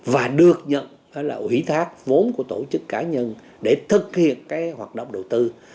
và được nhận là ủy thác vốn của tổ chức cá nhân để thực hiện cái hoạt động đầu tư